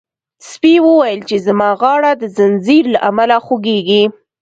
سپي وویل چې زما غاړه د زنځیر له امله خوږیږي.